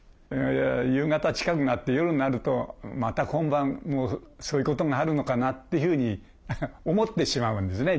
夕方近くなって夜になるとまた今晩もそういうことがあるのかなっていうふうに思ってしまうんですね